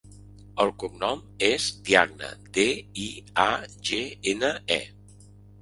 El cognom és Diagne: de, i, a, ge, ena, e.